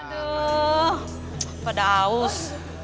aduh pada aus